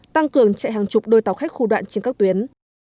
tăng cường chạy hàng chục đôi tàu khách khu đoạn trên các tuyến